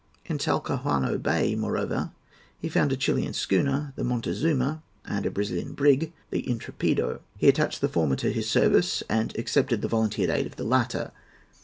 In Talcahuano Bay, moreover, he found a Chilian schooner, the Montezuma, and a Brazilian brig, the Intrepido. He attached the former to his service, and accepted the volunteered aid of the latter.